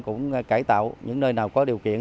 cũng cải tạo những nơi nào có điều kiện